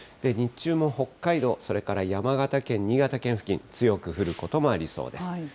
日中も北海道、それから山形県、新潟県付近、強く降ることもありそうです。